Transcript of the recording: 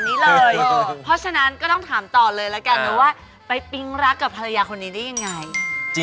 ไปปิ้งรักกับภรรยาคนนี้ได้ยังไง